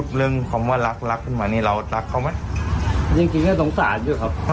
ได้คำถามว่ารักอยู่ไหม